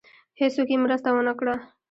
هېڅوک یې مرسته ونه کړه.